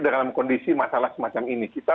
dalam kondisi masalah semacam ini kita